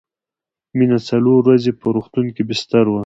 مينه څلور ورځې په روغتون کې بستر وه